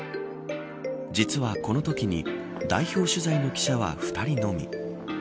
実は、このときに代表取材の記者は２人のみ。